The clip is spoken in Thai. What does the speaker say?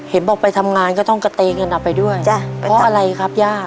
เห็นบอกไปทำงานก็ต้องกระเตงกันออกไปด้วยจ้ะเพราะอะไรครับย่า